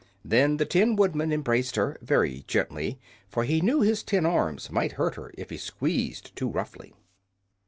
Then the Tin Woodman embraced her very gently, for he knew his tin arms might hurt her if he squeezed too roughly.